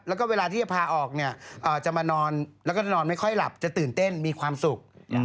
แล้วก็เวลาที่จะพาออกเนี่ยจะมานอนแล้วก็จะนอนไม่ค่อยหลับจะตื่นเต้นมีความสุข